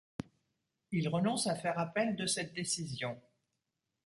Il renonce à faire appel de cette décision.